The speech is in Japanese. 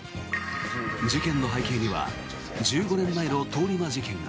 事件の背景には１５年前の通り魔事件が。